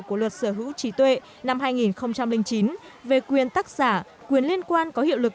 của luật sở hữu trí tuệ năm hai nghìn chín về quyền tắc giả quyền liên quan có hiệu lực